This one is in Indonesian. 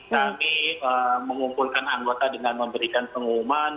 kami mengumpulkan anggota dengan memberikan pengumuman